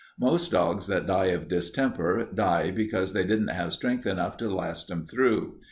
Most dogs that die of distemper die because they didn't have strength enough to last 'em through.